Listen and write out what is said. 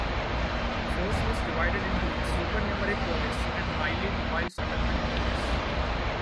The force was divided into Supernumerary Police and highly mobile Settlement Police.